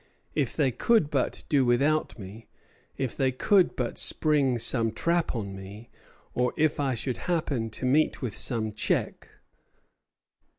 If they could but do without me; if they could but spring some trap on me, or if I should happen to meet with some check!"